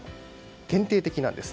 限定的なんです。